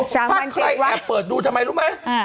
๓วันที่อีกวะถ้าใครแอบเปิดดูทำไมรู้ไหม